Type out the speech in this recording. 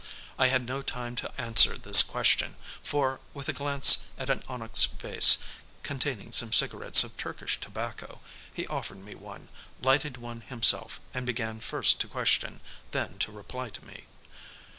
I had no time to answer this question, for, with a glance at an onyx vase containing some cigarettes of Turkish tobacco, he offered me one, lighted one himself and began first to question, then to reply to me.